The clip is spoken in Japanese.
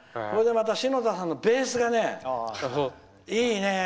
それでまた篠田さんのベースがいいね。